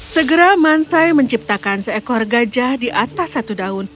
segera mansai menciptakan seekor gajah di atas satu daun